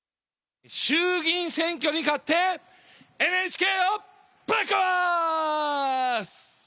衆議院選挙に勝ってＮＨＫをぶっ壊す！